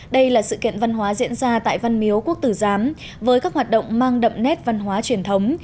đây là sự kiện văn hóa diễn ra tại văn miếu quốc tử giám với các hoạt động mang đậm nét văn hóa truyền thống